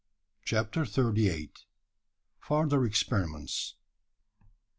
CHAPTER THIRTY EIGHT. FURTHER EXPERIMENTS.